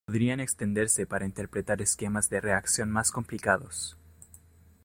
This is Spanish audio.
Podrían extenderse para interpretar esquemas de reacción más complicados.